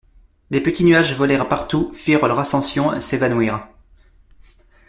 De petits nuages volèrent partout, firent leur ascension, s'évanouirent.